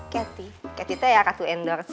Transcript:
kety kety tuh yang akan endorse